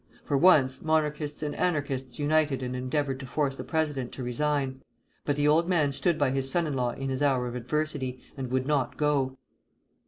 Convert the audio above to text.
For once, Monarchists and Anarchists united and endeavored to force the president to resign; but the old man stood by his son in law in his hour of adversity, and would not go.